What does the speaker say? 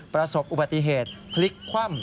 ประสบอุบัติเหตุพลิกคว่ำ